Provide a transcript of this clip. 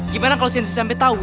gimana kalau sensei sampai tahu